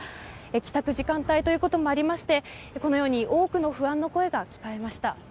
帰宅時間帯ということもあり多くの不安の声が聞かれました。